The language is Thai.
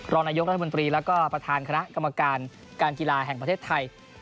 รองนายกรัฐมนตรีแล้วก็ประธานคณะกรรมการการกีฬาแห่งประเทศไทย